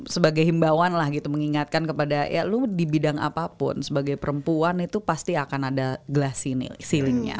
sebagai himbauan lah gitu mengingatkan kepada ya lu di bidang apapun sebagai perempuan itu pasti akan ada glasiknya